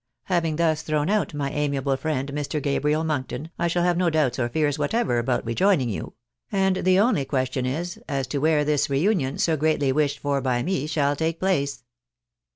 Having thus thrown out my amiable friend, Mr. Gabriel Monkton, I shall have no doubts or fears whatever about rejoining you ; and the only question is, as to where this reunion, so greatly wished for by me, shaU take place."